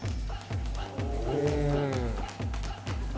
うん。